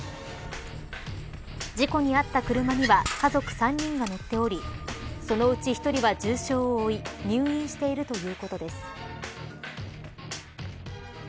事故にあった車には家族３人が乗っておりそのうち１人は重傷を負い入院しているということです。